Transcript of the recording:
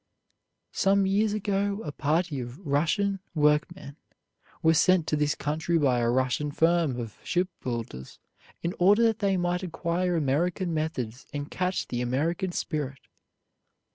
Some years ago a party of Russian workmen were sent to this country by a Russian firm of shipbuilders, in order that they might acquire American methods and catch the American spirit.